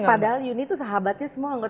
padahal uni tuh sahabatnya semua